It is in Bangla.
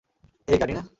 এই গাড়ি না?